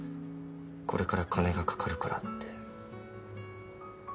これから金が掛かるからって。